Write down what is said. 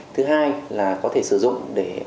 thứ hai là có thể sử dụng để